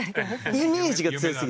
イメージが強すぎて。